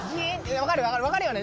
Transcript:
分かるよね？